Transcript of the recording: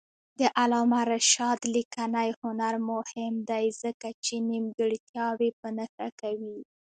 د علامه رشاد لیکنی هنر مهم دی ځکه چې نیمګړتیاوې په نښه کوي.